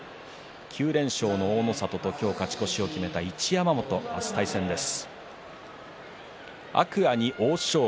９連勝の大の里と今日勝ち越しを決めた一山本、明日、対戦です。